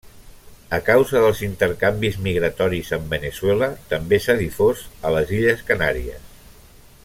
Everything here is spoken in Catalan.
A causa dels intercanvis migratoris amb Veneçuela, també s'ha difós a les Illes Canàries.